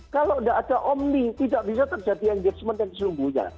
kalau tidak ada omni tidak bisa terjadi engagement yang sesungguhnya